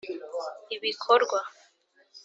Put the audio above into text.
ibikorwa